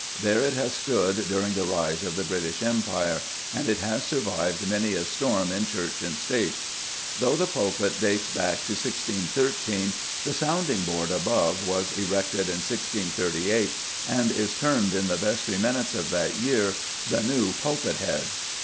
There it has stood during the rise of the British Empire, and it has survived many a storm in Church and State. Though the pulpit dates back to 1613 the sounding board above was erected in 1638, and is termed, in the Vestry minutes of that year, "the new pulpitt hedd."